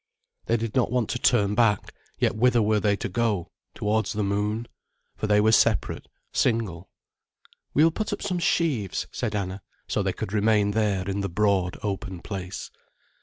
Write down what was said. They did not want to turn back, yet whither were they to go, towards the moon? For they were separate, single. "We will put up some sheaves," said Anna. So they could remain there in the broad, open place.